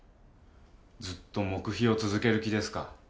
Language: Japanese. ずっと黙秘を続ける気ですか？